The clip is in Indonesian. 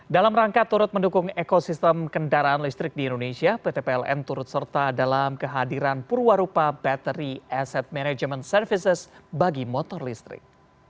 dalam rangka turut mendukung ekosistem kendaraan listrik di indonesia pt pln turut serta dalam kehadiran purwarupa bateri asset management services bagi motor listrik